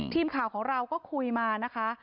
ทีมข่าวของเราก็คุยมานะคะ